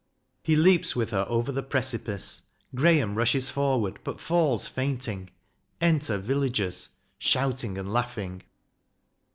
[He leaps with her over the precipice. GRAHAM rushes forward, but falls fainting. Enter VILLAGERS, shouting and laughing.